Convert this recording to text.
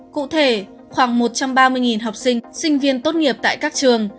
cụ thể khoảng một trăm ba mươi học sinh sinh viên tốt nghiệp tại các trường